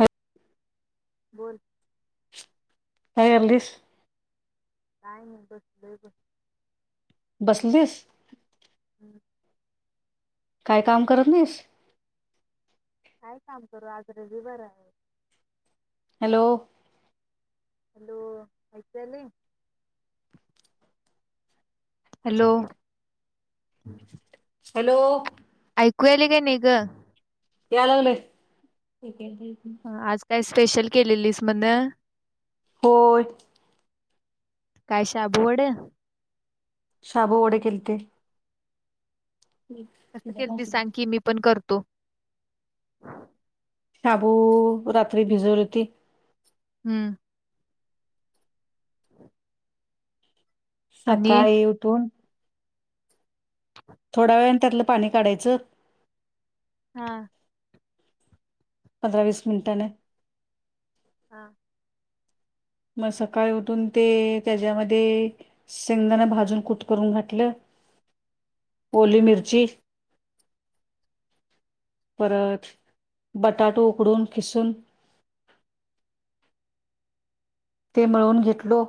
ह- बन. आयर्लस. काय नाही बसलोय ब. बसलीस. काय काम करत नाहीस? काय काम करू? आज रविवार आहे. हॅलो हॅलो ऐकू यायलय हॅलो हॅलो ऐकू यायले का नाही ग याय लागलय के आज काय स्पेशल केलेलीस म्हण होय काय शाबू वडं शाबू वडे केेलते कसं केलतीस सांग की मी पण करतो तो शाबू रात्री भिजवलं की हम्म आणि सकाळी उठून थोड्या वेळने त्यातलं पाणी काढायचं हा पंधरा वीस मिनिटने हा मग सकाळी उठून ते त्याच्यामध्ये शेंगदाणा भाजून कुटकरून घातलं ओली हा मिरची परत बटाटो उकडून खिसून ते मिळवून घेतलो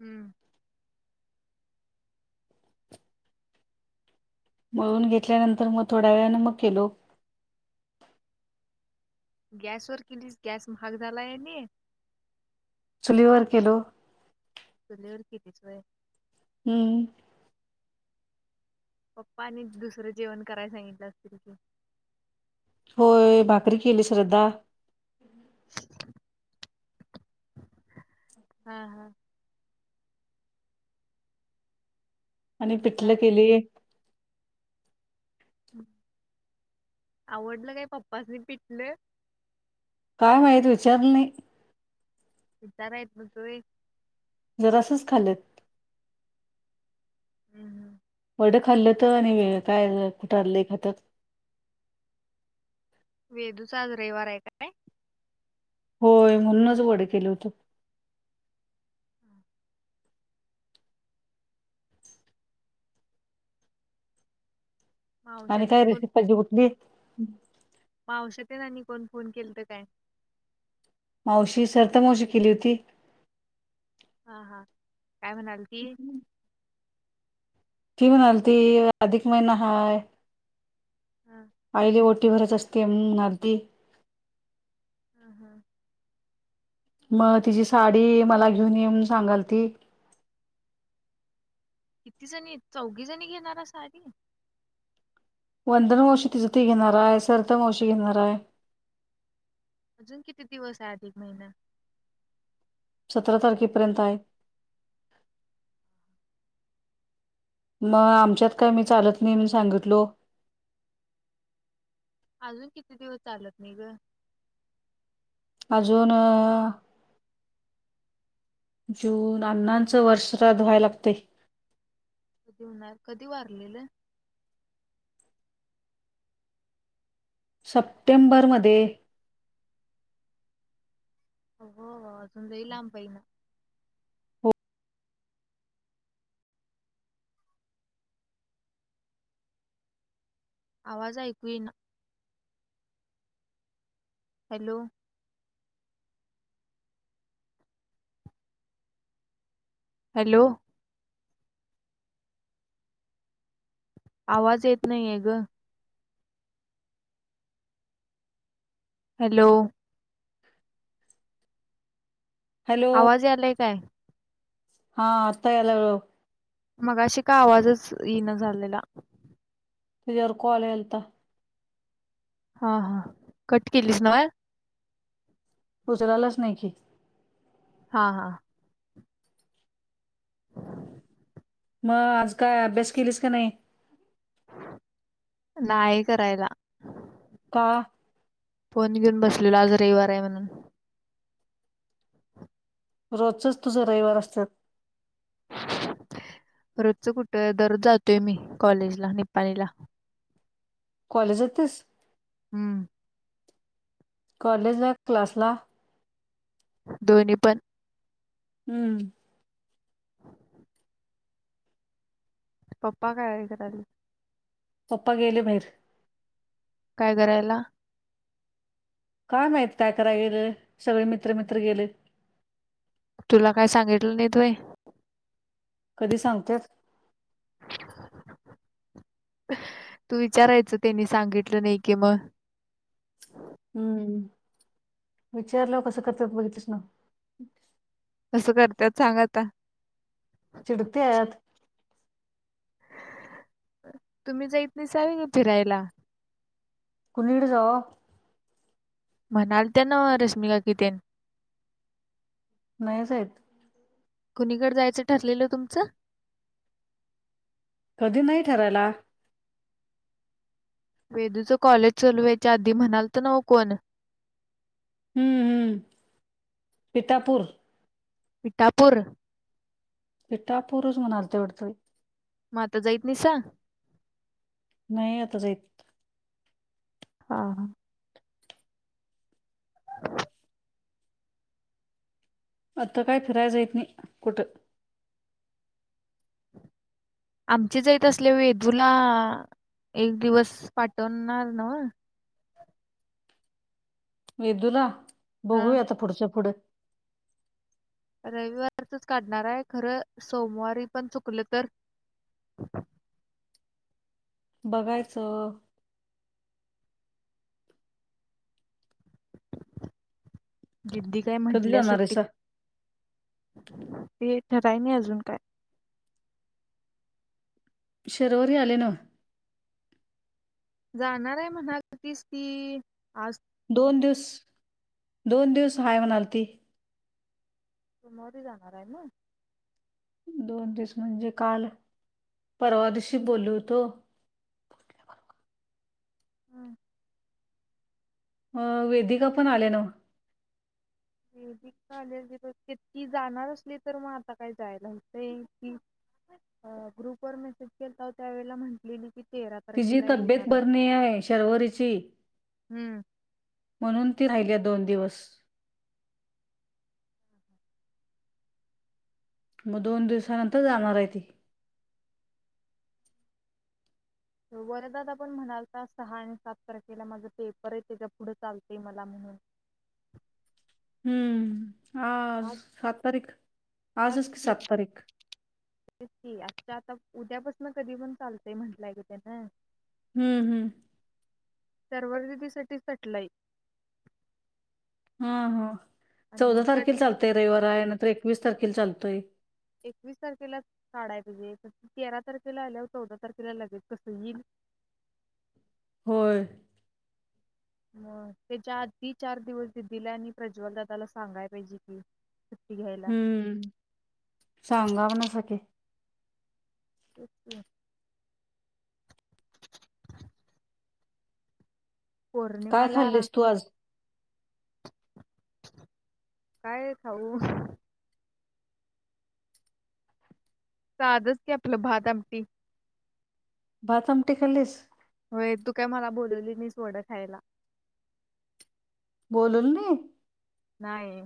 हम्म मळून घेतल्यानंतर मग थोड्या वेळने मग केलो गॅसवरर केलीस गॅस महाग झालाय आणि चुलीवर केलो पिथ आहे हम्म पप्पाने दुसरं जेवण करायला सांगितलं असतील की होय भाकरी केली श्रद्धा हा हा आणि पिठल केलीय आवडलं काय पप्पाासनी पिटलं काय माहित विचारलो नाही इ तरायत बटु जरासच खालेत हम्म हम्म एडं खाल्लं तर आणि काय तर लय खात्यात वेदू चा आज रविवार आहे काय होय म्हणूनच वड केलं होत आणि काय मावशातेन रेसप पाहिजे कूठली हम् मावश्या तेन आणि कोण फोन केलंत काय मावशी सरिता मावशी केली होती हां. काय म्हणाल ती? कि म्हणाल ती अधिक महिना हाय हा [unintelligible] ती भरायची असते अम अर्धी हा हा. मग तिची साडी मला घेऊन येऊन सांगल ती किती जणी आहेत? चौघी जणी घेणार साडी? वंदन मावशी तिच ती घेनार आहे सरिता मावशी घेनार आहे. अजून किती दिवस आहे अधिक महिना? सतरा तारखेपर्यंत आहे. मग आमच्यात काय मी चालत नाही म्हणून सांगितलो अजून किती दिवस चालत नाही ग? अजून अह जून अण्णांचं वर्ष श्राद्ध व्हायला लागतय. कधी होणार कधी वारलेले? सप्टेंबरमध्ये. हो हो अजून लई लांब [unintelligible] हो आवाज ऐकू येई ना. हॅलो. हॅलो. आवाज येत नाहीये ग. हॅलो. हॅलो आवाज यायलय काय? हा आता यायला लागला. मग अशी का आवाजच येई न झालेला इयर कॉल एलता हा हा कट केलीस ना? उचलालच नाही की हा हा. मग आज काय अभ्यास केलीस का नाही? नाही करायला. का? फोन घेऊन बसलेला आज रविवार आहे म्हणून. रोजचच तुझ रविवार असतात. रोजच कुठ दररोज जातोय मी कॉलेजला निपाणीला. कॉलेजातस हम्म. कॉलेजला की क्लासला? दोन्ही पण. हम्म. पप्पा काय कराली पप्पा गेले बाहेर. काय करायला? काय माहित काय करायला गेलेले सगळे मित्र मित्र गेले. तुला काय सांगितल नाइत वय? कधी सांगत्यात? तू विचारायच त्यांनी सांगितल नाही की म हम्म विचारल्या व कसं करत्यात बघितलंस नाव कस करतत्यात सांग आता. चिडत्यात. तुम्ही जा इत नाहीसा वी ग फिरायला? कुनिकड जावाव? म्हणाल त्या नवं रश्मीकाकी तेन. नाही जाईत. कुणीकड जायच ठरलेल तुमचं? कधी नाही ठरायला. वेदूचं कॉलेज चालवायच्या आधी म्हणाल तर न्हव कोण? हम्म हम्म पिठापूर. इटापूर पीठापूरस म्हणालते वाटतं. म आता जाईत नाहीसा? नाही आता जाईत. हा हा. आता काय फिराय जाईत नाही कुठं. आमचे जाईत असले वेळी वेदूला एक दिवस पाठवणार नवं? वेदुला? हा बघूया आता पुढच्या पुढं. रविवारचच काढणार आहे खरं सोमवारी पण चुकलं तर? बघायचं. दीदी काय कधी म्हटल्या जाणार आहे सुट्टी? सा थराय नाई अजून काय. शर्वरी आली नवं? जाणार आहे म्हणालतीस ती. आज दोन सोमवारी दिवस दोन दिवस हाय म्हणालती सोमवारी जाणार आहे म. दोन दिस म्हणजे काल परवा दिवशी बोलो हुतो. हं. अ वेदिका पण आल्या नव? [unintelligible] ती जाणार असली तर मग आता काय जायला हुतंय, की अं ग्रुप वर मेसेज केलता त्यावेळी म्हटलेली कि तिजी तब्येत बरी न्हाई आहे शर्वरीची. हम्म. म्हणून ती राहिल्या दोन दिवस. मग दोन दिवसानंतर जाणार आहे ती. वरदादा पण म्हणालता सहा आणि सात तारखेला माझं पेपर आहेत. तेच्या पुढं चालतय मला म्हणून हम्म. आज सात तारीख आज आजच की सात तेच तारीख. की आजच्या आता उद्यापासून कधी पण चालतंय म्हंटलाय ग त्यानं. हम्म हम्म. शर्वरी दीदीसाठी थटलय हा हा. चौदा तारखे चालतंय रविवार आहे नंतर एक वीस तारखेला चालतोय. एकवीस तारखेला काढाय ते तेरा तारखेला आल्यावर चौदा तारखेला लगेच कसं येईल. होय. म त्याच्या आधी चार दिवस दिदीला आणि प्रज्वलदादाला सांगाय पाहिजे कि. हम्म सांगा म्हणासाकी [inaudible] काय पौर्णिमाला खाल्लीस तू आज काय खाऊ साद च की अपल भात अमटी भात आमटी खाल्लीस होय तू काय मला बोलवली नाइस वडा खायला बोलवलं नाही नाही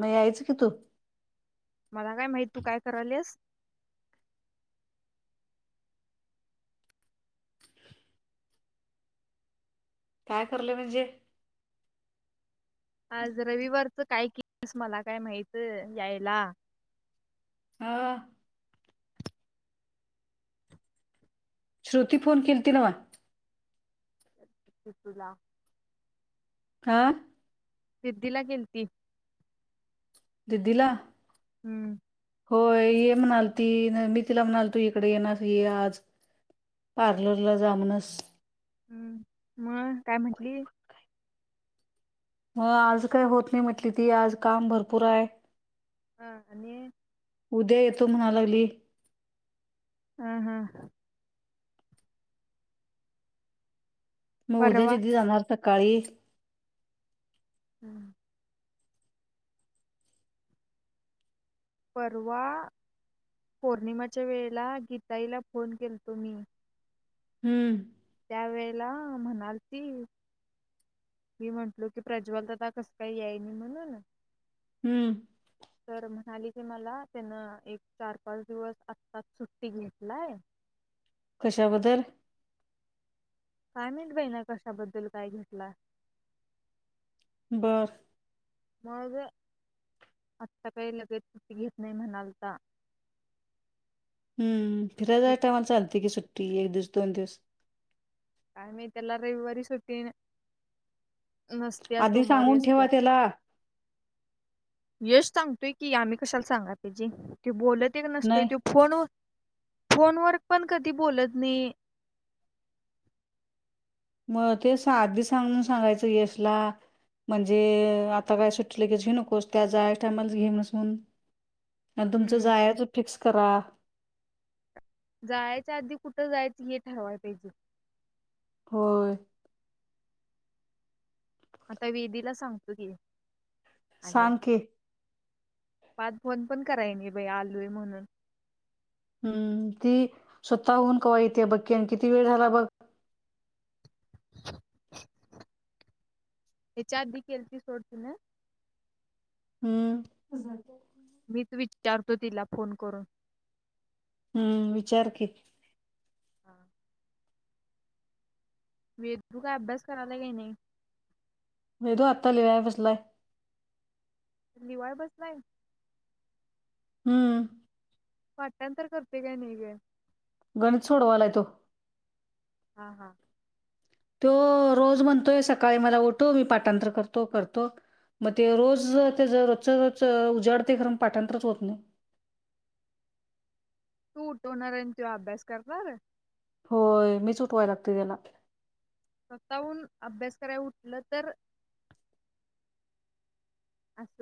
म यायचं की तू मला काय माहित तू काय करालीस काय करलं म्हणजे आज रविवारचं काय कि तस मला काय माहित यायला हा श्रुती फोन कीलती न्हव तुला आ सिद्दीला कीलती सिद्धीला हम्म होय ये म्हणाल ती मी तिला म्हणाल तू इकडे येणा तर ये आज पार्लरला जा म्हणस हम्म मग काय म्हटली मग आज काय होत नाही म्हटली ती आज काम भरपूर आहे हा आणि उद्या येतो म्हणालागली हा हा मग उद्या परवा दिदी जाणार तर काळी हम्म परवा पौर्णिमाच्या वेळेला गीताईला फोन केलतो मी हम्म त्या वेळेला म्हणालती मी म्हंटलो की प्रज्वल दादा कसं काही याई नाही म्हणून हम्म तर म्हणाली की मला त्यांन एक चार पाच दिवस आत्ताच सुट्टी घेतलाय कशाबद्दल काय माहित बाई ना कशाबद्दल काय घेतला बर मग आत्ता काही लगेच त घेत नाही म्हणालता हम फिराय जाय घेत टाईमला चालते की सुट्टी एक दिस दोन दिस कायमत एलारे वरी सुटन आधी सांगून ठेवा त्याला यश सांगतोय की आम्ही कशाला सांगा त्याजे तू बोलत तेक नसतोय नाही तो फोन उ फोनवर पण कधी बोलत नाही मग ते अधी सांगून सांगायचं यशला म्हणजे आता काय सुटले केच घेऊ नकोस त्या जाय टायमाला घेमस म्हण आणि तुमचं हम्म जायच फिक्स अकरा जायच्या आधी कुठं जायचं हे ठरवाय पाहिजे होय आता वेदीला सांगतो की सांग की बाद फोन पण करायनी बाई आलूय म्हणून हम्म ती स्वतः होऊन कवा यथे बक्ककीन किती वेळ झाला बघ हे च्या आदी केलती सोडती न हम्म मीच विचारतो तिला फोन करून हम्म विचार की हा वेदू काय अभ्यास करायला काय नाही वेद तो आत्ताा लिहाय बसलाय लिवाय बसलाय हम्म पाठांतर करतय काय नाय ग गणित सोडवालाय तो हा हा तो रोज म्हणतोय सकाळी मला उठो मी पाठांतर करतो करतो मग ते रोज त्या रोज रज उजाडते खर पाठांतरच होत नाही तू उठवणार आहे त्यो अभ्यास करणार होय मीच ऊठवाय लागते तेला स्वतःहून अभ्यास कराय उठलं तर अस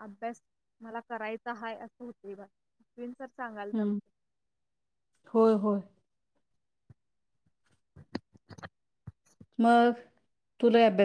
अभ्यास मला करायचा हाय असं होतय बाळ हम्म होय होय मग तु लई अभ्यास